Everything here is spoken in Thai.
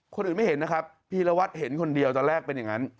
คนอื่นไม่เห็นนะครับพีรวัตรเห็นคนเดียวตอนแรกเป็นอย่างนั้น